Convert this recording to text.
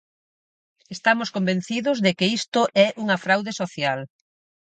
Estamos convencidos de que isto é unha fraude social.